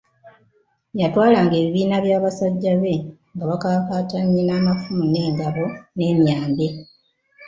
Yatwalanga ebibiina by'abasajja be nga bakakaatanye n'amafumu n'engabo n'emyambe.